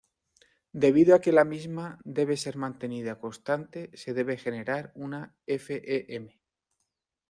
Debido a que la misma debe ser mantenida constante se debe generar una f.e.m.